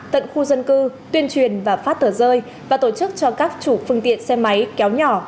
tận khu dân cư tuyên truyền và phát tờ rơi và tổ chức cho các chủ phương tiện xe máy kéo nhỏ